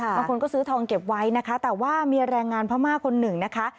บางคนก็ซื้อทองเก็บไว้นะคะแต่ว่ามีแรงงานพม่าคนหนึ่งนะคะ